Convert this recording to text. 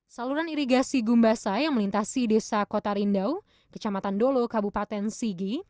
saluran irigasi gumbasa yang melintasi desa kota rindau kecamatan dolo kabupaten sigi